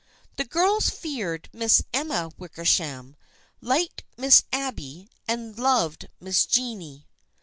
The girls feared Miss Emma Wickersham, liked Miss Abby, and loved Miss Jennie.